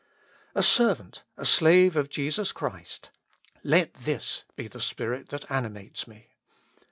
A servant, a slave of Jesus Christ, — let this be the spirit that animates me.